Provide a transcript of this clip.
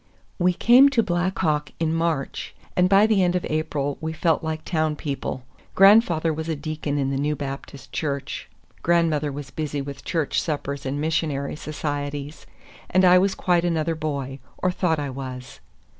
We came to Black Hawk in March, and by the end of April we felt like town people. Grandfather was a deacon in the new Baptist Church, grandmother was busy with church suppers and missionary societies, and I was quite another boy, or thought I was.